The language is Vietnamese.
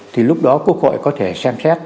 thì lúc đó quốc hội có thể xem xét